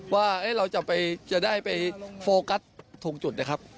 ว่าเราจะได้ไปโฟกัสตรงจุดนะครับ